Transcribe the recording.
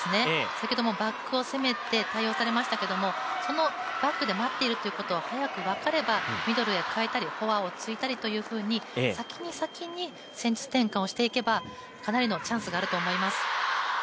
先ほどもバックを攻めて対応されましたけれども、そのバックで待っているということが早く分かればミドルへ変えたりフォアを突いたりというふうに先に先に戦術転換をしていけばかなりのチャンスがあると思います。